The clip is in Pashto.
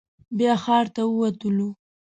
بیا ښار ته ووتلو.